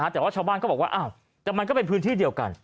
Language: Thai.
แต่ว่าชาวบ้านก็บอกว่าแต่มันก็เป็นพื้นที่เดียวกัน